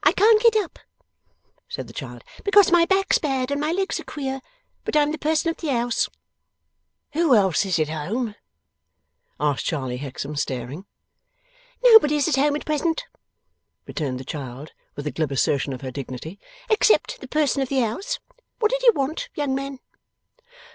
'I can't get up,' said the child, 'because my back's bad, and my legs are queer. But I'm the person of the house.' 'Who else is at home?' asked Charley Hexam, staring. 'Nobody's at home at present,' returned the child, with a glib assertion of her dignity, 'except the person of the house. What did you want, young man?